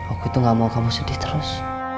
aku itu gak mau kamu sedih terus